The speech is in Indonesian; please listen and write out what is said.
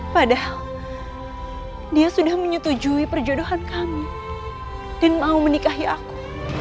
padahal dia sudah menyetujui perjodohan kami dan mau menikahi aku